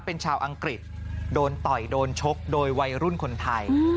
เป็นชาวอังกฤษโดนต่อยโดนชกโดยวัยรุ่นคนไทย